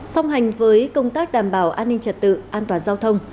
song hành với công tác đảm bảo an ninh trật tự an toàn giao thông